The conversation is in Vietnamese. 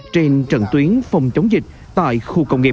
trên trận tuyến phòng chống dịch tại khu công nghiệp